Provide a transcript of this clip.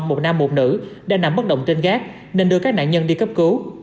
một nam một nữ đang nằm bất động trên gác nên đưa các nạn nhân đi cấp cứu